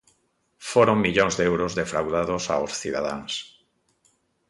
Foron millóns de euros defraudados aos cidadáns.